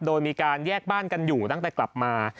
โดยมีการแยกบ้านกันอยู่ตั้งแต่กลับมา